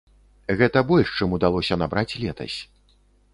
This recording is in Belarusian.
Гэта больш, чым удалося набраць летась.